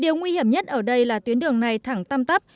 điều nguy hiểm nhất ở đây là tuyến đường này thẳng tăm tắp